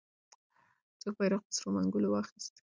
څوک بیرغ په سرو منګولو واخیست؟